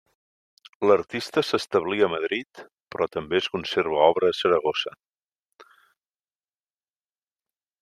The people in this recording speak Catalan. L'artista s'establí a Madrid però també es conserva obra a Saragossa.